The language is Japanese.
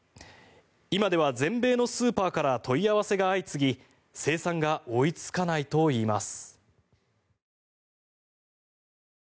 今では全米のスーパーから問い合わせが相次ぎ生産が追いつかないといいます。